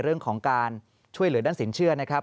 เรื่องของการช่วยเหลือด้านสินเชื่อนะครับ